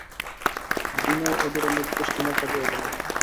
বিনয় অদূরে নদীতে স্টীমারে চলিয়া গেল।